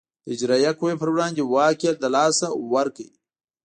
د اجرایه قوې پر وړاندې واک یې له لاسه ورکړ.